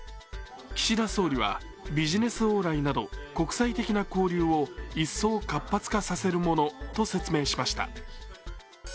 岸田総理は、ビジネス往来など国際的な交流を一層活発化させるものと説明しました。